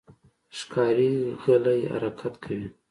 ښکاري غلی حرکت کوي.